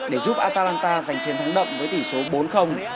để giúp attaranta giành chiến thắng đậm với tỷ số bốn